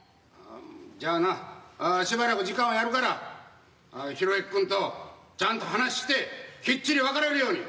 じゃあなしばらく時間をやるから啓之君とちゃんと話してきっちり別れるように。